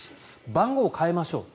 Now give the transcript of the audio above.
番号を変えましょう。